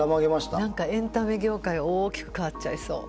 何かエンタメ業界大きく変わっちゃいそう。